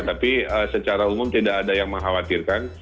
tapi secara umum tidak ada yang mengkhawatirkan